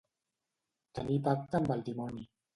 Tenir pacte amb el dimoni.